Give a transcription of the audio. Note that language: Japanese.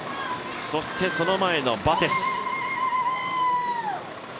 そして、その前のバテス。